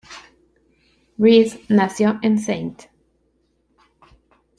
Reed nació en St.